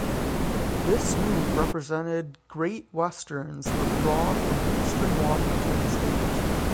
This move represented Great Western's withdraw from Eastern Washington state.